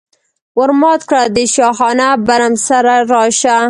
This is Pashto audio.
ور مات کړه د شاهانه برم سره راشه.